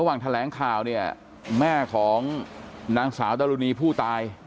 ระหว่างแถลงข่าวเนี่ยแม่ของนางสาวดรุณีผู้ตาย